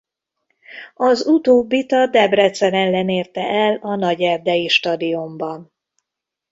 Az utóbbit a Debrecen ellen érte el a Nagyerdei stadionban.